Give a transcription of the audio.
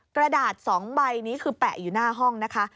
กระดาษ๒ใบนี้คือแปะอยู่หน้าห้องนะคะ